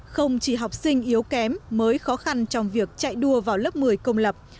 không chỉ học sinh yếu kém mới khó khăn trong việc chạy đua vào lớp một mươi công lập